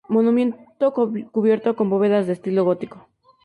Monumento cubierto con bóvedas de estilo gótico.